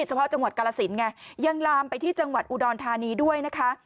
เฉพาะจังหวัดกาลสินไงยังลามไปที่จังหวัดอุดรธานีด้วยนะคะ